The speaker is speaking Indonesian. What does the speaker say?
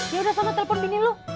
yaudah sama telepon bini lo